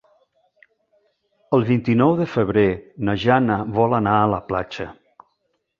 El vint-i-nou de febrer na Jana vol anar a la platja.